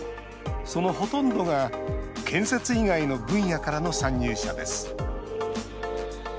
そのほとんどが建設以外の分野からの参入者です。